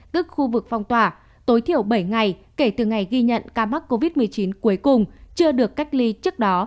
tức khu vực phong tỏa tối thiểu bảy ngày kể từ ngày ghi nhận ca mắc covid một mươi chín cuối cùng chưa được cách ly trước đó